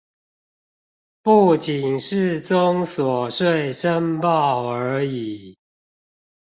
不僅是綜所稅申報而已